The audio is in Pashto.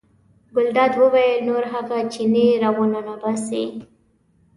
ګلداد وویل نور هغه چینی را ونه ننباسئ.